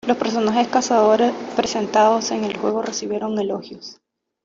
Los personajes Cazadores presentados en el juego recibieron elogios.